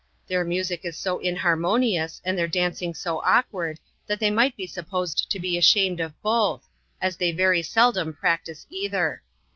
Their mu eic is so inharmonious, and their dancing so awkward, that they might be supposed to be ashamed of both, as they very seldom practice either.